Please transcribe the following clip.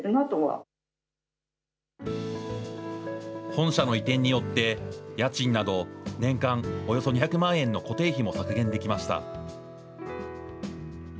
本社の移転によって、家賃など年間およそ２００万円の固定費も削減できました。